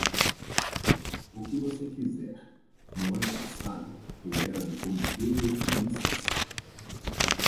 O que você quiser, no ano passado eu era do Comitê de Finanças.